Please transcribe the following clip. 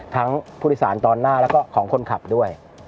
ทั้งผู้โดยสารตอนหน้าและของคนขับด้วย